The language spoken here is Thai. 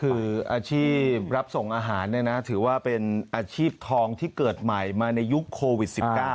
คืออาชีพรับส่งอาหารเนี่ยนะถือว่าเป็นอาชีพทองที่เกิดใหม่มาในยุคโควิด๑๙